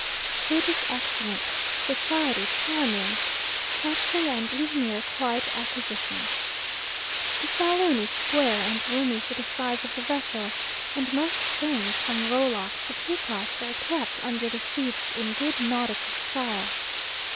Food is excellent, society charming, captain and engineer quite acquisitions. The saloon is square and roomy for the size of the vessel, and most things, from rowlocks to teapots, are kept under the seats in good nautical style.